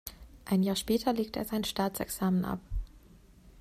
Ein Jahr später legte er sein Staatsexamen ab.